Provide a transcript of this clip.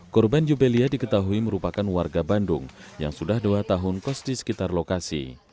korban jubelia diketahui merupakan warga bandung yang sudah dua tahun kos di sekitar lokasi